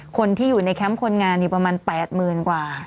คนที่อยู่ในแคมป์คนงานนี่ประมาณ๘๐๐๐กว่า